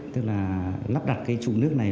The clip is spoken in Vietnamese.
tức là lắp đặt cái trụ nước này